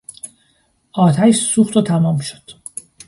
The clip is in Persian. آتش سوخت و تمام شد.